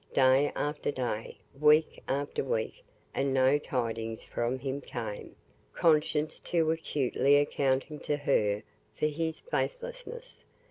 Day after day, week after week, and no tidings from him came; conscience too acutely accounting to her for his faithlessness.